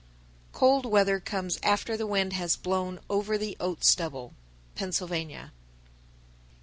_ 935. Cold weather comes after the wind has blown over the oat stubble. _Pennsylvania.